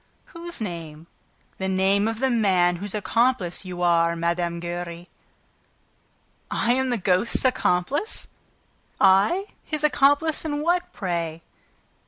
"Whose name?" "The name of the man whose accomplice you are, Mme. Giry!" "I am the ghost's accomplice? I? ... His accomplice in what, pray?"